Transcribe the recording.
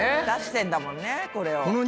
出してんだもんねこれを。